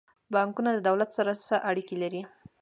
بانکونه د دولت سره څه اړیکه لري؟